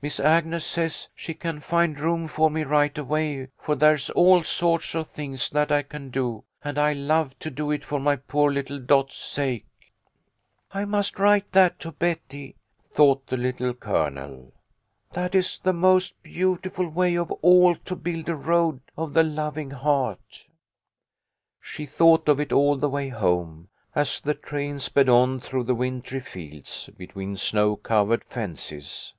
Miss Agnes says she can find room for me right away, for there's all sorts of things that I can do, and I'd love to do it for my poor little Dot's sake.' '" I must write that to Betty," thought the Little Colonel. " That is the most beautiful way of all to build a Road of the Loving Heart." She thought of it all the way home, as the train sped on through the wintry fields, between snow covered fences.